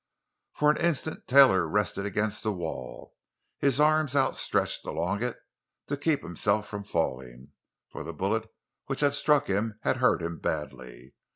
For an instant Taylor rested against the wall, his arms outstretched along it to keep himself from falling, for the bullet which had struck him had hurt him badly.